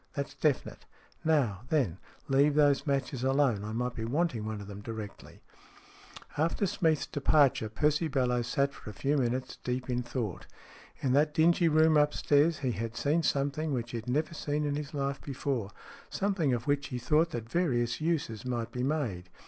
That's definite. Now, then, leave those matches alone. I might be wanting one of them directly." After Smeath's departure, Percy Bellowes sat for a few minutes deep in thought. In that dingy room upstairs he had seen something which he had never seen in his life before, something of which he thought that various uses might be made.